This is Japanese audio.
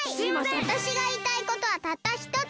わたしがいいたいことはたったひとつ！